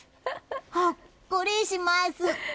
ほっこりします！